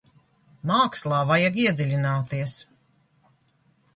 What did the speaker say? Mākslā vajag iedziļināties.